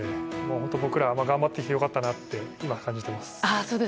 本当、僕ら頑張ってきて良かったなって今感じています。